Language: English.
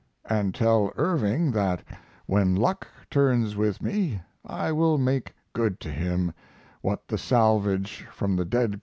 And tell Irving that when luck turns with me I will make good to him what the salvage from the dead Co.